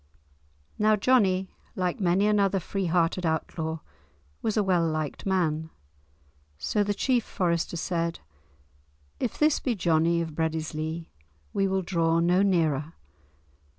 Now Johnie, like many another free hearted outlaw, was a well liked man. So the chief forester said, "If this be Johnie of Breadislee we will draw no nearer."